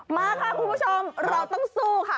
มาค่ะคุณผู้ชมเราต้องสู้ค่ะ